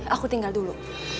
aku tinggal dulu